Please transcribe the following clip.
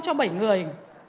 cho bảy người